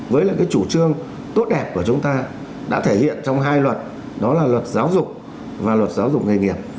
với lại cái chủ trương tốt đẹp của chúng ta đã thể hiện trong hai luật đó là luật giáo dục và luật giáo dục nghề nghiệp